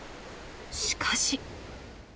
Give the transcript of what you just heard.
しかし。